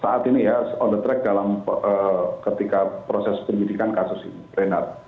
saat ini ya on the track dalam ketika proses penyidikan kasus ini renat